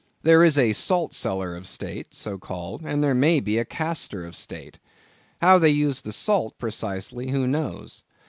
There is a saltcellar of state, so called, and there may be a castor of state. How they use the salt, precisely—who knows?